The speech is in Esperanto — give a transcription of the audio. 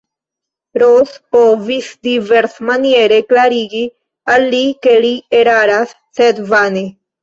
Ros provis diversmaniere klarigi al li, ke li eraras, sed vane.